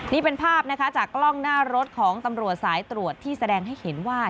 นี่เป็นภาพนะคะจากกล้องหน้ารถของตำรวจสายตรวจที่แสดงให้เห็นว่า